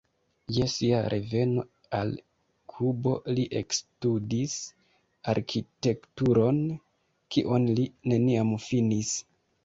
Je sia reveno al Kubo li ekstudis arkitekturon, kion li neniam finis.